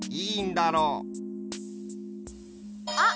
あっ！